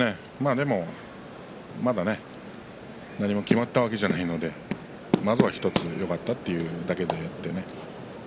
でも、まだ何も決まったわけじゃないのでまずは１つよかったというだけであってね。